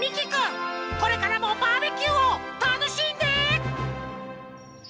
これからもバーベキューをたのしんで！